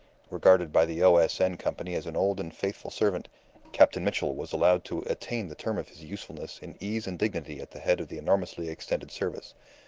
Regarded by the O. S. N. Company as an old and faithful servant, Captain Mitchell was allowed to attain the term of his usefulness in ease and dignity at the head of the enormously extended service.